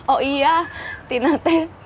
oh iya tina teh